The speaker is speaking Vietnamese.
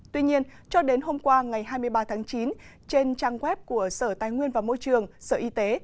tuy nhiên cho đến hôm qua ngày hai mươi ba tháng chín trên trang web của sở tài nguyên và môi trường sở y tế